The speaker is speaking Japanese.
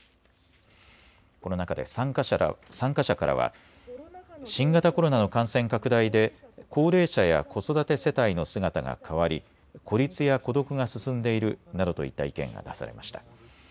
この中で参加者からは新型コロナの感染拡大で高齢者や子育て世帯の姿が変わり孤立や孤独が進んでいるなどといった意見が出されました。